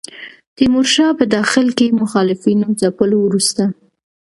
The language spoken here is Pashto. تیمورشاه په داخل کې مخالفینو ځپلو وروسته.